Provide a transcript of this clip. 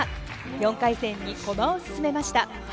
４回戦に駒を進めました。